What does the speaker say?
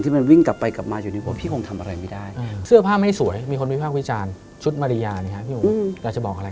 บอกอะไรเขาบ้าง